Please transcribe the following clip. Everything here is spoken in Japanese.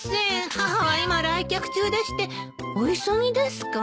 母は今来客中でしてお急ぎですか？